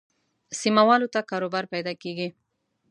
سیمه والو ته کاروبار پیدا کېږي.